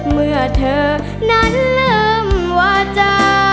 เมื่อเธอนั้นเริ่มวาจา